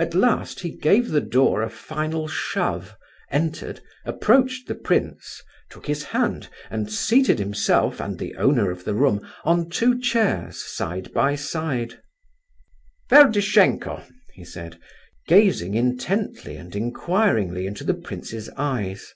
At last he gave the door a final shove, entered, approached the prince, took his hand and seated himself and the owner of the room on two chairs side by side. "Ferdishenko," he said, gazing intently and inquiringly into the prince's eyes.